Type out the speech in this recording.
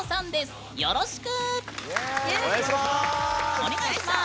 お願いします！